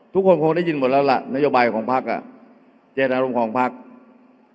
ทุกคนคงได้ยินหมดแล้วล่ะนโยบายของพักอ่ะเจตนารมณ์ของพัก